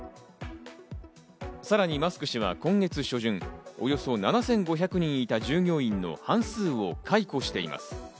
さらにマスク氏は今月初旬、およそ７５００人いた従業員の半数を解雇しています。